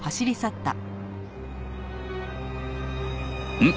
うん？